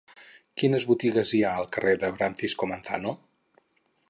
Quines botigues hi ha al carrer de Francisco Manzano?